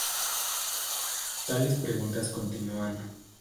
Tales preguntas continúan.